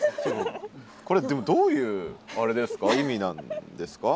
これでもどういうあれですか？